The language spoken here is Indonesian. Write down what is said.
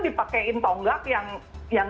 dipakein tonggak yang